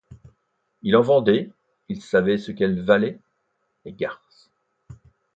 Il en vendait, il savait ce qu'elles valaient, les garces!